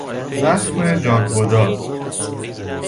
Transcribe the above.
زخم جانگداز